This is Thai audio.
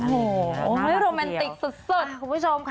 โอ้โหโรแมนติกสุดคุณผู้ชมค่ะ